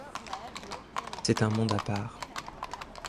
C’est un monde à part.